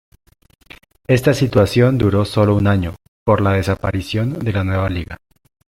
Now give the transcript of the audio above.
Esta situación duró solo un año por la desaparición de la nueva liga.